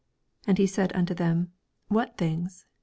19 And he said unto them, What things?